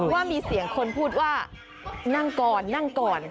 ว่ามีเสียงคนพูดว่านั่งก่อนนั่งก่อน